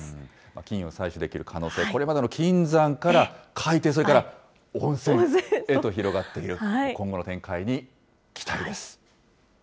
金を採取できる可能性、これまでの金山から海底、それから温泉へと広がっている、今後の展開に期待です。